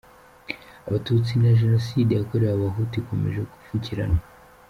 Abatutsi na jenoside yakorewe Abahutu ikomeje gupfukiranwa.